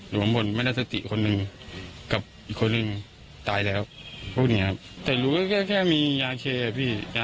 รู้แค่นั้นเองครับ